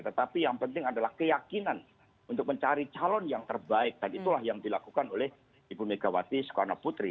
tetapi yang penting adalah keyakinan untuk mencari calon yang terbaik dan itulah yang dilakukan oleh ibu megawati soekarno putri